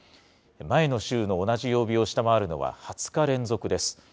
前の週の同じ曜日を下回るのは２０日連続です。